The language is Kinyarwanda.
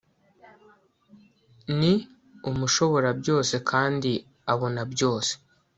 ni umushoborabyose kandi abona byose